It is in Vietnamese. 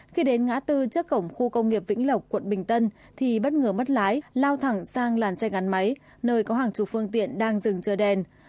khi đến ngã tư trước cổng khu công nghiệp vĩnh lộc quận bình tân thì bất ngờ mất lái lao thẳng sang làn xe gắn máy nơi có hàng chục phương tiện đang dừng chờ đèn